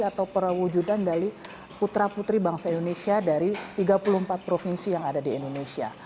atau perwujudan dari putra putri bangsa indonesia dari tiga puluh empat provinsi yang ada di indonesia